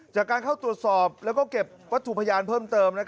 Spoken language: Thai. จากการเข้าตรวจสอบแล้วก็เก็บวัตถุพยานเพิ่มเติม